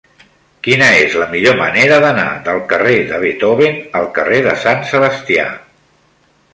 Quina és la millor manera d'anar del carrer de Beethoven al carrer de Sant Sebastià?